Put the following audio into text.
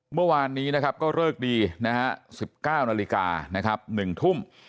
เมื่อวานนี้นะครับก็เลิกดีนะฮะสิบเก้านาฬิกานะครับหนึ่งทุ่ม